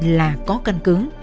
là có căn cứ